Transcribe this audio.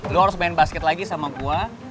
lo harus main basket lagi sama gue